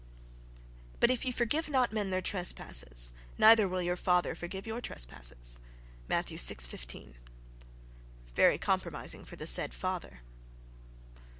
"But if ye forgive not men their trespasses, neither will your Father forgive your trespasses." (Matthew vi, 15.)—Very compromising for the said "father."...